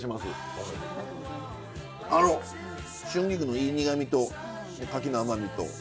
春菊のいい苦みと柿の甘みと。